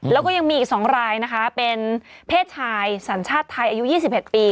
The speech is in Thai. แล้วก็ยังมีอีก๒รายนะคะเป็นเพศชายสัญชาติไทยอายุ๒๑ปี